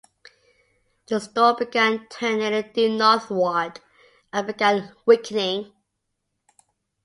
The storm began turned nearly due northward and began weakening.